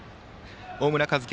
大村和輝